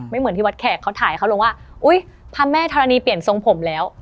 เหมือนที่วัดแขกเขาถ่ายเขาลงว่าอุ๊ยพระแม่ธรณีเปลี่ยนทรงผมแล้ว